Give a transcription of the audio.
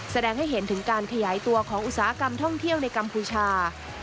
แสดงให้เห็นถึงการขยายตัวของอุตสาหกรรมท่องเที่ยวในกัมพูชา